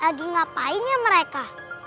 nanti ga bisa lain berubahnya